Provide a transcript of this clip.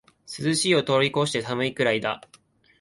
涼しいを通りこして寒いくらいだ